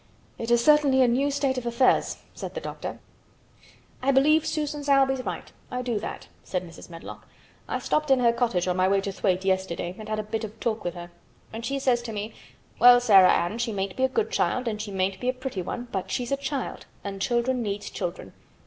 "It is certainly a new state of affairs," said the doctor. "And there's no denying it is better than the old one." "I believe Susan Sowerby's right—I do that," said Mrs. Medlock. "I stopped in her cottage on my way to Thwaite yesterday and had a bit of talk with her. And she says to me, 'Well, Sarah Ann, she mayn't be a good child, an' she mayn't be a pretty one, but she's a child, an' children needs children.